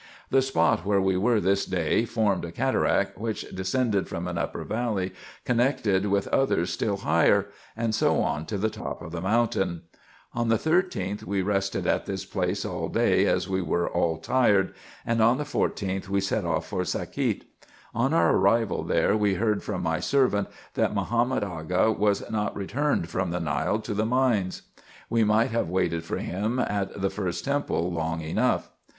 The spot where we were this day formed a cataract, which descended from an upper valley, connected with others still higher, and so on to the tops of the mountains. On the 13th, we rested at this place all day, as we were all tired ; and on the 14th we set off for Sakiet. On our arrival there, we heard from my servant, that Mahomet Aga was not returned from the Nile to the mines. We might have waited for him at the first temple long enough.